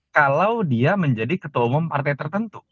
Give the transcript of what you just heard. kalau dia menjadi ketua umum partai tertentu